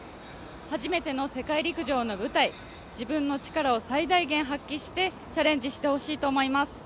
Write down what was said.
初めての世界陸上の舞台自分の力を最大限発揮してチャレンジしてほしいと思います。